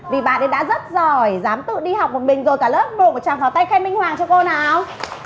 vì bạn ấy đã rất giỏi dám tự đi học một mình rồi cả lớp muộn một tràng pháo tay khen minh hoàng cho cô nào